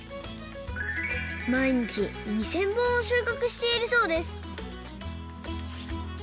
まいにち２，０００ぼんをしゅうかくしているそうです